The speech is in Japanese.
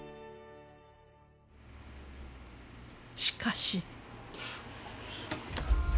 しかし。